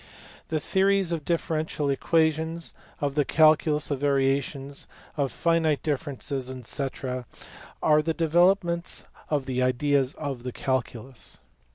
The theories of differential equations, of the calculus of variations, of finite differences, &c. are the develop ments of the ideas of the calculus.